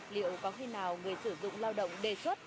liệu có khi nào người sử dụng lao động đề xuất